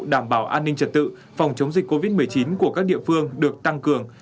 đảm bảo an ninh trật tự phòng chống dịch covid một mươi chín của các địa phương được tăng cường